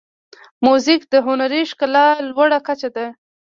موزیک د هنري ښکلا لوړه کچه ده.